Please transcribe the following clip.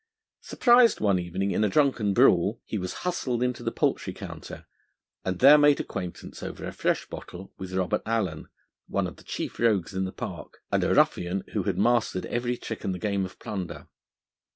Surprised one evening in a drunken brawl, he was hustled into the Poultry Counter, and there made acquaintance over a fresh bottle with Robert Allen, one of the chief rogues in the Park, and a ruffian, who had mastered every trick in the game of plunder.